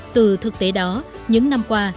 từ thực tế đó những năm qua